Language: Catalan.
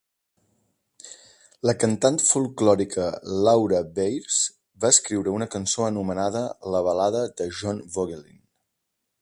La cantant folklòrica Laura Veirs va escriure una cançó anomenada "La balada de John Vogelin".